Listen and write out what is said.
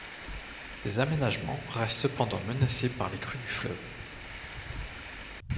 Ces aménagements restent cependant menacés par les crues du fleuve.